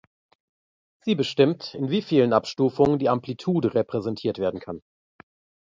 Sie bestimmt, in wie vielen Abstufungen die Amplitude repräsentiert werden kann.